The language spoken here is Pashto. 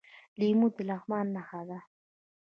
لیمو د لغمان نښه ده.